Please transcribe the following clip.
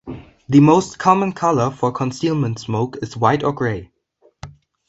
The most common color for concealment smoke is white or grey.